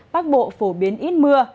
bắc bộ phổ biến ít mưa